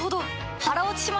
腹落ちしました！